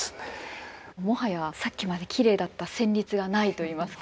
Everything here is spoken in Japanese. もはやさっきまできれいだった旋律がないといいますか。